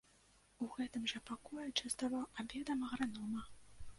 У гэтым жа пакоі частаваў абедам агранома.